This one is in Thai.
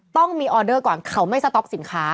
ต้องมีออเดอร์ก่อนเขาไม่สต๊อกสินค้า